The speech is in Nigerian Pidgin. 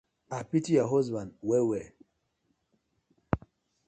I pity yu husban well well.